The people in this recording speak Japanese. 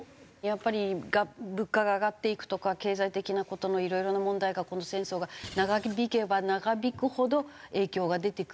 やっぱり物価が上がっていくとか経済的な事のいろいろな問題がこの戦争が長引けば長引くほど影響が出てくるし。